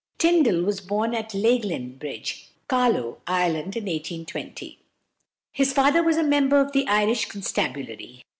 Tyndall was born at Leighlin Bridge, Carlow, Ireland, in 1820. His father was a member of the Irish constabulary.